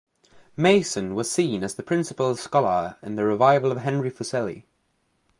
Mason was seen as the principal scholar in the revival of Henry Fuseli.